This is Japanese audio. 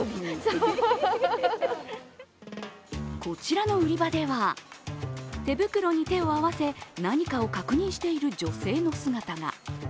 こちらの売り場では手袋に手を合わせ何かを確認している女性の姿が。